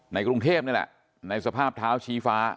กรุงเทพนี่แหละในสภาพเท้าชี้ฟ้า